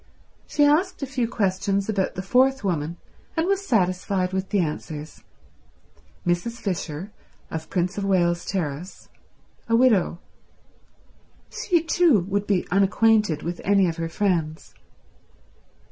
She asked a few questions about the fourth woman, and was satisfied with the answers. Mrs. Fisher, of Prince of Wales Terrace. A widow. She too would be unacquainted with any of her friends.